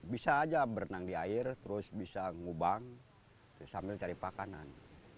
bisa aja berenang di air terus bisa ngubang sambil cari makanan